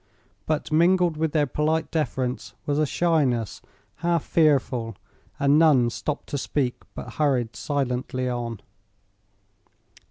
But mingled with their polite deference was a shyness half fearful, and none stopped to speak but hurried silently on.